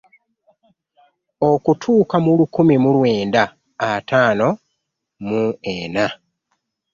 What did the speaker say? Okutuuka mu lukumi mu lwenda ataano mu ena